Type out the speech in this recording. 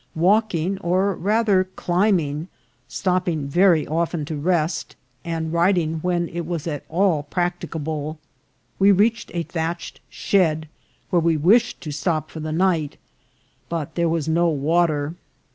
Walk ing, or rather climbing, stopping very often to rest, and riding when it was at all practicable, we reached a thatched shed, where we wished to stop for the night, but there was no water.